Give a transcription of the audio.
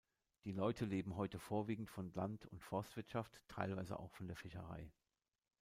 Die Leute leben heute vorwiegend von Land- und Forstwirtschaft, teilweise auch von der Fischerei.